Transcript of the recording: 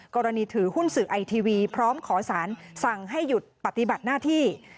กรณีถือหุ้นสื่อไอทีวีพร้อมขอสารสั่งให้หยุดปฏิบัติหน้าที่